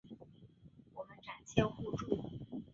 我们展现互助